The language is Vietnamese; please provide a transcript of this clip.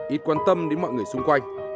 ít quan tâm đến mọi người xung quanh